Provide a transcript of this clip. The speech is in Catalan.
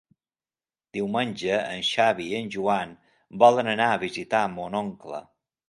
Diumenge en Xavi i en Joan volen anar a visitar mon oncle.